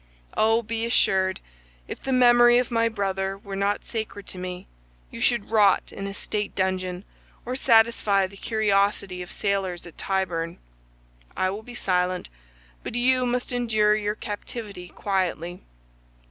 Oh, be assured, if the memory of my brother were not sacred to me, you should rot in a state dungeon or satisfy the curiosity of sailors at Tyburn. I will be silent, but you must endure your captivity quietly.